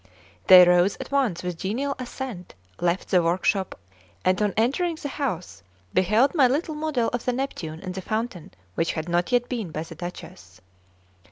They rose at once with genial assent, left the workshop, and on entering the house, beheld my little model of the Neptune and the fountain, which had not yet been by the Duchess.